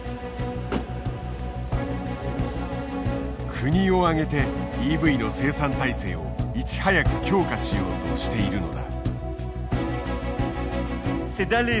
国を挙げてＥＶの生産体制をいち早く強化しようとしているのだ。